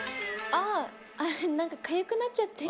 ああなんかかゆくなっちゃって。